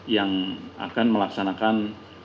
yang akan melaksanakan